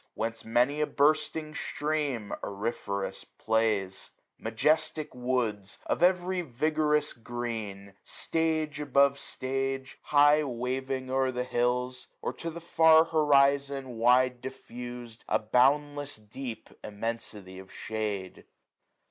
Whence many a bursting stream auriferous plays : Majestic woods, of every vigorous green. Stage above stage, high waving o*er the hills ; 650 Or to the far horizon wide difFusM A boundless deep immensity of shade.